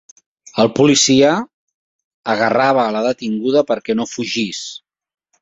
El policia agarrava la detinguda perquè no fugís.